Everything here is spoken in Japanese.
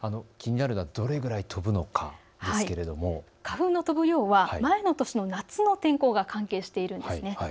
気になるのは、どれくらい飛ぶのかですけれども花粉の飛ぶ量は前の年の夏の天候が関係しているんです。